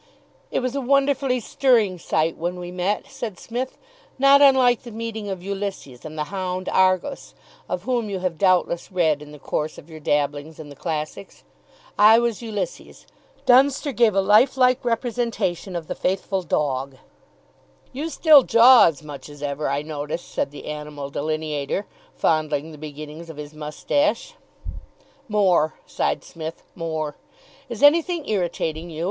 "It was a wonderfully stirring sight when we met," said Psmith; "not unlike the meeting of Ulysses and the hound Argos, of whom you have doubtless read in the course of your dabblings in the classics. I was Ulysses; Dunster gave a life like representation of the faithful dawg." "You still jaw as much as ever, I notice," said the animal delineator, fondling the beginnings of his moustache. "More," sighed Psmith, "more. Is anything irritating you?"